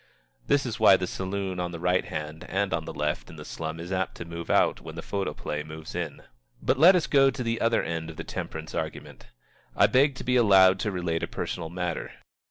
This is why the saloon on the right hand and on the left in the slum is apt to move out when the photoplay moves in. But let us go to the other end of the temperance argument. I beg to be allowed to relate a personal matter.